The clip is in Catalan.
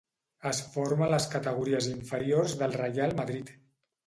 Es forma a les categories inferiors del Reial Madrid.